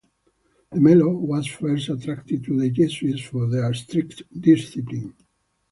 De Mello was first attracted to the Jesuits for their strict discipline.